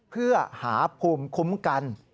เพื่อหาภูมิคุ้มกัน